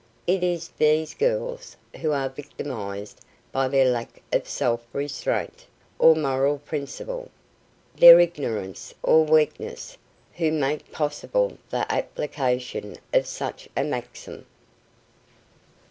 It is these girls, who are victimized by their lack of self restraint or moral principle, their ignorance or weakness, who make possible the application of such a maxim.